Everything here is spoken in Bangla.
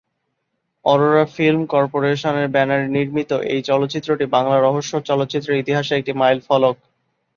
অরোরা ফিল্ম কর্পোরেশনের ব্যানারে নির্মিত এই চলচ্চিত্রটি বাংলা রহস্য চলচ্চিত্রের ইতিহাসে একটি মাইলফলক।